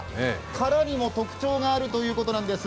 殻にも特長があるということなんです。